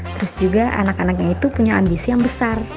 terus juga anak anaknya itu punya ambisi yang besar